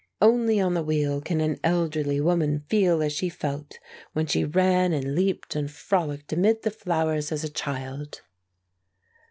Only on the wheel can an elderly woman feel as she felt when she ran and leaped and frolicked amid the flowers as a child.